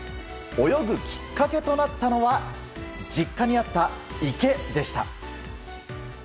泳ぐきっかけとなったのは実家にあった池でした。